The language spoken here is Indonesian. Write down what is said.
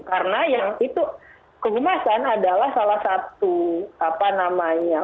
karena yang itu kehumasan adalah salah satu apa namanya